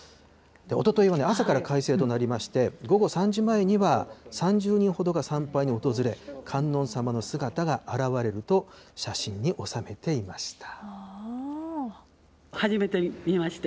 おとといはね、朝から快晴となりまして、午後３時前には３０人ほどが参拝に訪れ、観音様の姿が現れると、写真に収めていました。